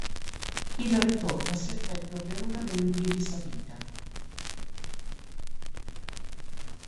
Il ritorno si effettua per una delle vie di salita.